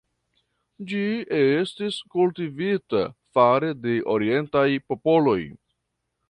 Ĝi estis kultivita fare de orientaj popoloj.